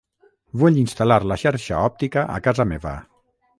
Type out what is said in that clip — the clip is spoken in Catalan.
Vull instal·lar la xarxa òptica a casa meva.